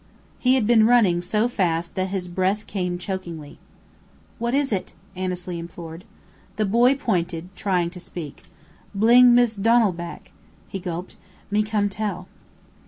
He had been running so fast that his breath came chokingly. "What is it?" Annesley implored. The boy pointed, trying to speak, "Bling Mist' Donal back," he gulped. "Me come tell."